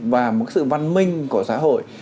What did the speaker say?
và một sự văn minh của xã hội